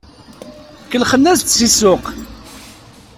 Kellxen-as-d si ssuq.